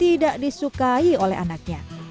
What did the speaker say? tidak disukai oleh anaknya